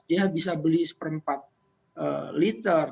dia bisa beli satu empat liter